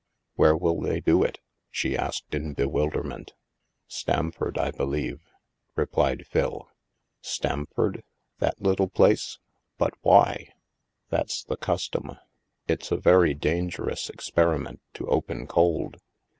" Where will they do it ?" she asked in bewilder ment. " Stamford, I believe," replied Phil. " Stamford ? That little place ? But why ?"" That's the custom. It's a very dangerous ex periment to open cold.